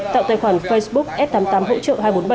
tạo tài khoản facebook f tám mươi tám hỗ trợ hai trăm bốn mươi bảy